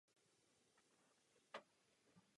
Trénuje ji Australan Simon Walsh.